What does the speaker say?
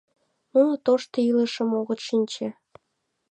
Нуно тошто илышым огыт шинче.